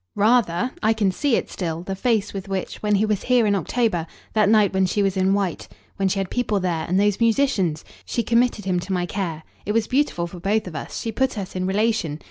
"Rather! I can see it still, the face with which, when he was here in October that night when she was in white, when she had people there and those musicians she committed him to my care. It was beautiful for both of us she put us in relation.